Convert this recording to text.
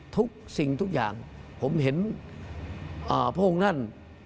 ทุกสิ่งทุกอย่างผมเห็นพวกนั้น